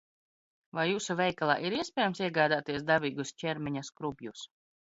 Vai jūsu veikalā ir iespējams iegādāties dabīgus ķermeņa skrubjus?